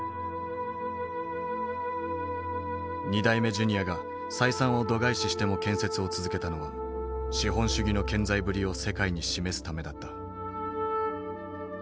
２代目ジュニアが採算を度外視しても建設を続けたのは資本主義の健在ぶりを世界に示すためだった。